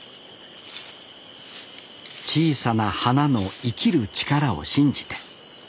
小さな花の生きる力を信じて。